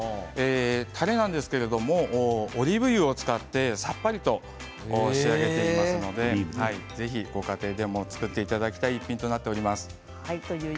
たれなんですけれどもオリーブ油を使ってさっぱりと仕上げていますのでぜひ、ご家庭でも作っていただきたい一品になっています。